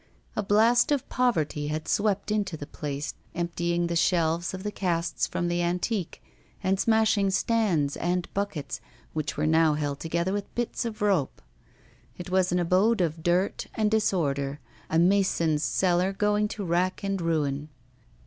A blast of poverty had swept into the place, emptying the shelves of the casts from the antique, and smashing stands and buckets, which were now held together with bits of rope. It was an abode of dirt and disorder, a mason's cellar going to rack and ruin.